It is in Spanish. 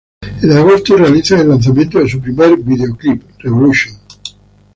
En agosto realizan el lanzamiento de su primer videoclip, Revolution.